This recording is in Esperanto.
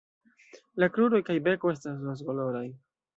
La kruroj kaj beko estas rozkoloraj.